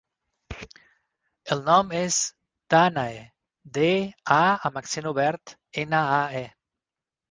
El nom és Dànae: de, a amb accent obert, ena, a, e.